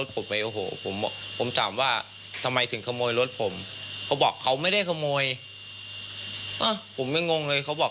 ผมไม่งงเลยเขาบอก